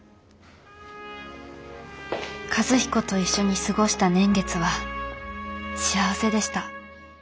「和彦と一緒に過ごした年月は幸せでした。